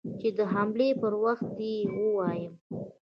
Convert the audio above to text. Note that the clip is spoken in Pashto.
چې د حملې پر وخت يې ووايم.